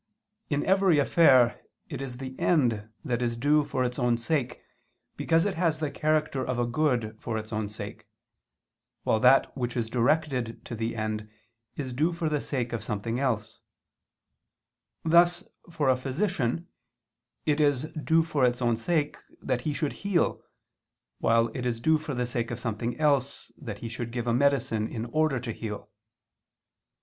In every affair, it is the end that is due for its own sake, because it has the character of a good for its own sake: while that which is directed to the end is due for the sake of something else: thus for a physician, it is due for its own sake, that he should heal, while it is due for the sake of something else that he should give a medicine in order to heal.